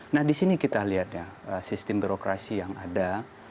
nah di sini kita lihat ya sistem birokrasi yang ada